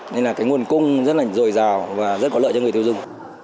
nên là cái nguồn cung rất là dồi dào và rất có lợi cho người tiêu dùng